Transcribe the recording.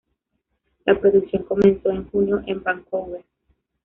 La producción comenzó en junio en Vancouver.